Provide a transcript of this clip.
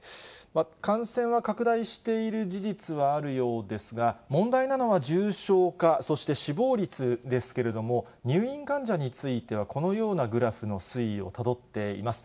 感染は拡大している事実はあるようですが、問題なのは重症化、そして死亡率ですけれども、入院患者についてはこのようなグラフの推移をたどっています。